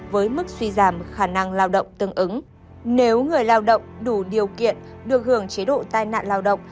với mức suy giảm khả năng lao động tương ứng nếu người lao động đủ điều kiện được hưởng chế độ tai nạn lao động